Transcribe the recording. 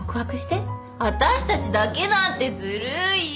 私たちだけなんてずるい。